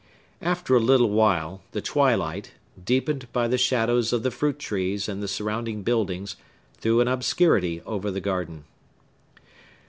After a little while, the twilight, deepened by the shadows of the fruit trees and the surrounding buildings, threw an obscurity over the garden.